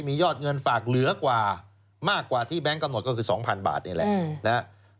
มียอดเงินฝากเหลือกว่ามากกว่าที่แบงค์กำหนดก็คือ๒๐๐๐บาทนี่แหละ